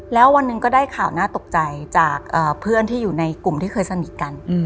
แล้ววันหนึ่งก็ได้ข่าวน่าตกใจจากเพื่อนที่อยู่ในกลุ่มที่เคยสนิทกัน